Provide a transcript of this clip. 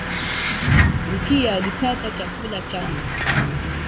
Rukiya alipata chakula changu